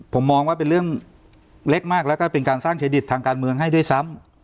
ผมมองว่าเป็นเรื่องเล็กมากแล้วก็เป็นการสร้างเครดิตทางการเมืองให้ด้วยซ้ำ